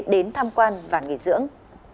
đến tham quan và nghỉ dưỡng